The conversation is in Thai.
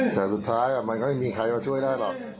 แต่สุดท้ายมันก็ไม่มีใครมาช่วยได้หรอก